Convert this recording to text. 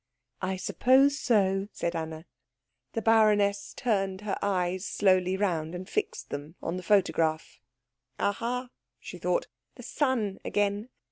"I suppose so," said Anna. The baroness turned her eyes slowly round and fixed them on the photograph. "Aha," she thought, "the son again.